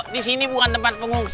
disini bukan tempat pengungsian